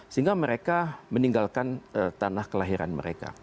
sehingga mereka meninggalkan tanah kelahiran mereka